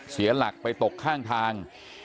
เสียหลักไปตกข้างทาง